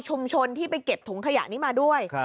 ที่ไปเก็บถุงขยะนี้มาด้วย